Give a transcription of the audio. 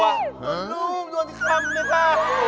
รวดรุ้มรวดข้ำจะไหวคะ